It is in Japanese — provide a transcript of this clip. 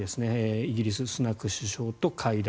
イギリス、スナク首相と会談。